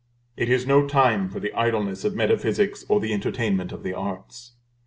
It is no time for the idleness of metaphysics, or the entertainment of the arts.